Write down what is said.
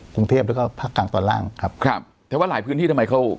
กรุงเทพแล้วก็ภาคกลางตอนล่างครับครับแต่ว่าหลายพื้นที่ทำไมเขา